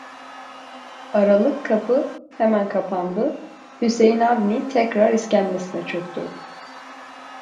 Aralık kapı hemen kapandı, Hüseyin Avni tekrar iskemlesine çöktü.